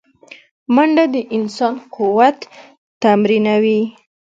منډه د انسان قوت تمرینوي